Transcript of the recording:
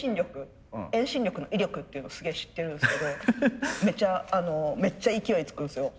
遠心力の威力っていうのをすげえ知ってるんすけどめっちゃ勢いつくんすよ。